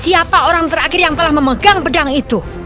siapa orang terakhir yang telah memegang pedang itu